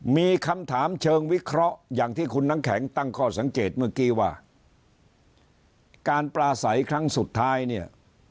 มีคำถามเชิงวิเคราะห์อย่างที่คุณน้ำแข็งตั้งข้อสังเกตเมื่อกี้ว่าการปลาใสครั้งสุดท้ายเนี่ย